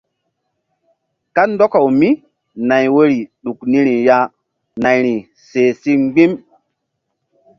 Kandɔkawmínay woyri ɗuk niri ya nayri seh si mgbi̧m.